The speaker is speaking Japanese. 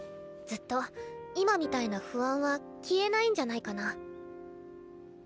ずっと今みたいな不安は消えないんじゃないかな。